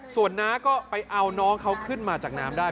ส่วนน้าก็ไปเอาน้องเขาขึ้นมาจากน้ำได้